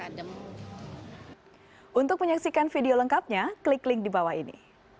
hai untuk menyaksikan video lengkapnya klik link di bawah ini